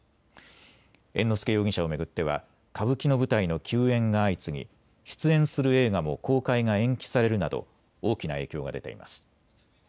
猿之助容疑者を巡っては歌舞伎の舞台の休演が相次ぎ出演する映画も公開が延期されるなど大きな影響が出ています。